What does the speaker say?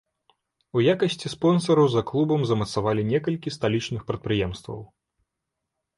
У якасці спонсараў за клубам замацавалі некалькі сталічных прадпрыемстваў.